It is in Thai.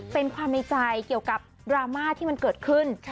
เป็นความในใจเกี่ยวกับดราม่าที่มันเกิดขึ้น